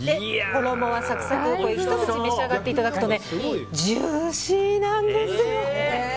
衣はサクサクひと口召し上がっていただくとジューシーなんですよ。